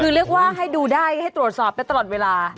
คือเรียกว่าให้ดูได้ให้ตรวจสอบได้ตลอดเวลา